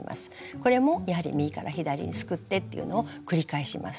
これもやはり右から左にすくってっていうのを繰り返します。